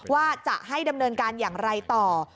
ว่าจะให้ดำเนินการอย่างไรต่อ